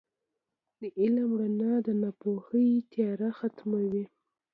• د علم رڼا د ناپوهۍ تیاره ختموي.